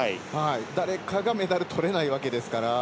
誰かがメダルをとれないわけですから。